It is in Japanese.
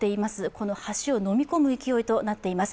この橋をのみ込む勢いとなっています。